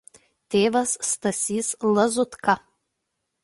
Tėvas Stasys Lazutka.